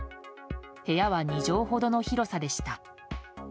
部屋は２畳ほどの広さでした。